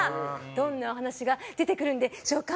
どんなお話が出てくるんでしょうか。